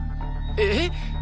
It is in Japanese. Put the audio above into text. えっ！？